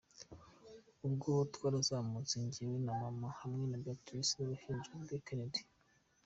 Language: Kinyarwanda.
Ubwo twarazamutse jyewe na Maman, hamwe na Beatrice n’uruhinja rwe Kennedy.